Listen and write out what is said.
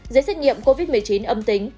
giấy xét nghiệm covid một mươi chín âm tính